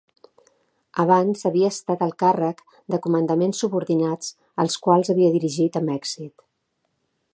Abans havia estat al càrrec de comandaments subordinats els quals havia dirigit amb èxit.